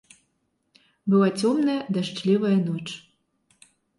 Была цёмная дажджлівая ноч.